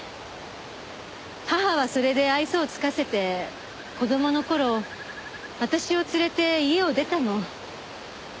母はそれで愛想を尽かせて子供の頃私を連れて家を出たの。